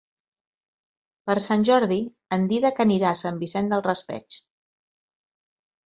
Per Sant Jordi en Dídac anirà a Sant Vicent del Raspeig.